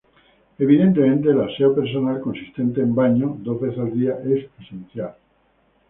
Evidentemente el aseo personal consistente en baño dos veces al día es esencial.